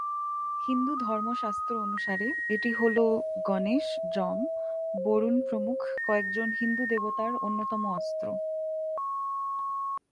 হিন্দু ধর্মশাস্ত্র অনুসারে, এটি হল গণেশ, যম, বরুণ প্রমুখ কয়েকজন হিন্দু দেবতার অন্যতম অস্ত্র।